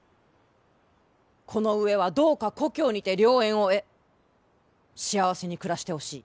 この上はどうか故郷にて良縁を得幸せに暮らしてほしい。